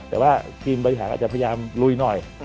แต่ว่าทีมบริหารอาจจะพยายามลุยหน่อย